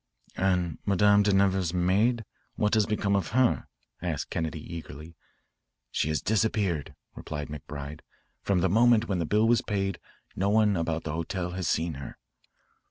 "And Madame de Nevers's maid? What has become of her?" asked Kennedy eagerly. "She has disappeared," replied McBride. "From the moment when the bill was paid no one about the hotel has seen her."